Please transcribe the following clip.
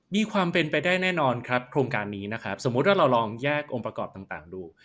มีความเป็นไปได้แน่นอนครับโครงการนี้นะครับสมมุติว่าเราลองแยกองค์ประกอบต่างดู